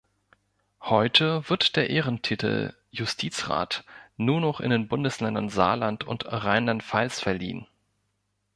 Heute wird der Ehrentitel Justizrat nur noch in den Bundesländern Saarland und Rheinland-Pfalz verliehen.